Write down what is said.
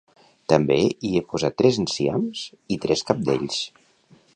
També hi he posat tres enciams i tres cabdells